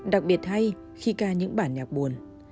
đặc biệt hay khi ca những bản nhạc buồn